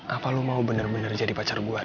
apa lu mau bener bener jadi pacar gua ref